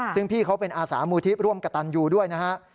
ซึ่งพี่เขาเป็นอาสามูลที่ร่วมกระตันยูด้วยนะฮะ